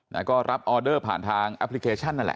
แล้วก็รับออเดอร์ผ่านทางแอปพลิเคชันนั่นแหละ